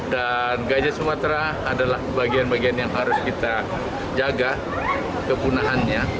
dan gajah sumatera adalah bagian bagian yang harus kita jaga kepunahannya